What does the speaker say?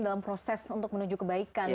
dalam proses untuk menuju kebaikan